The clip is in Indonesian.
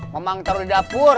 memang taruh di dapur